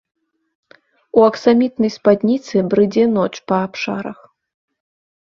У аксамітнай спадніцы брыдзе ноч па абшарах.